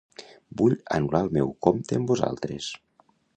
Vull anul·lar el meu compte amb vosaltres.